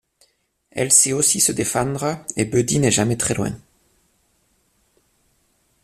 Elle sait aussi se défendre et Buddy n'est jamais très loin.